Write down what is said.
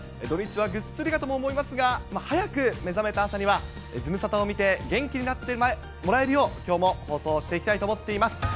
土日はぐっすりかと思いますが、早く目覚めた朝には、ズムサタを見て、元気になってもらえるよう、きょうも放送していきたいと思っています。